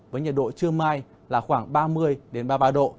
với nhiệt độ trưa mai là khoảng ba mươi ba mươi ba độ